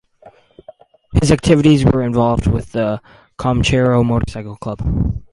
His activities were involved with the Comanchero Motorcycle Club.